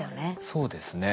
そうですね。